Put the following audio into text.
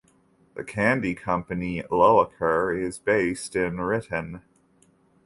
The candy company Loacker is based in Ritten.